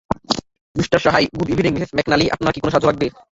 Mister সাহায় - good evening Mrs McNally - আপনার কি কোন সাহায্য লাগবে?